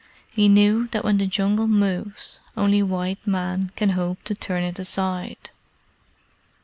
He knew that when the Jungle moves only white men can hope to turn it aside.